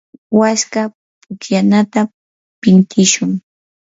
waska pukllanata pintishun.